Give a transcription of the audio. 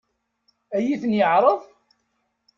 Ad iyi-ten-yeɛṛeḍ?